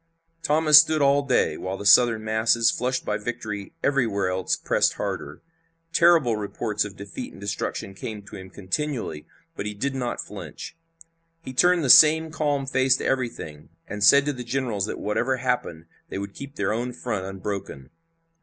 Thomas stood all day, while the Southern masses, flushed by victory everywhere else, pressed harder. Terrible reports of defeat and destruction came to him continually, but he did not flinch. He turned the same calm face to everything, and said to the generals that whatever happened they would keep their own front unbroken.